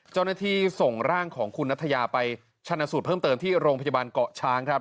เจ้าหน้าที่ส่งร่างของคุณนัทยาไปชนะสูตรเพิ่มเติมที่โรงพยาบาลเกาะช้างครับ